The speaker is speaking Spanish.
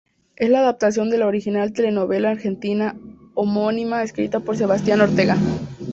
Es la adaptación de la original telenovela argentina homónima escrita por Sebastián Ortega.